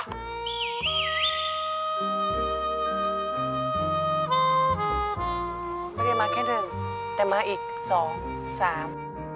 ไม่ได้มาแค่หนึ่งแต่มาอีกสองสาม